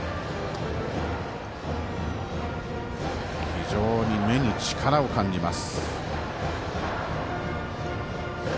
非常に目に力を感じます。